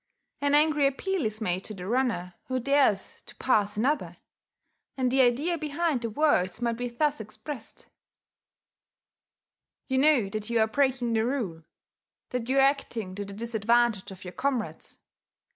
An angry appeal is made to the runner who dares to pass another; and the idea behind the words might be thus expressed: "You know that you are breaking the rule, that you are acting to the disadvantage of your comrades!